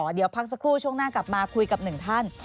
เดี๋ยวพักสักครู่ช่วงหน้ากลับมาคุยกับหนึ่งท่าน